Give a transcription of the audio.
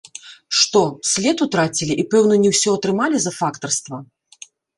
Што, след утрацілі і пэўна не ўсё атрымалі за фактарства?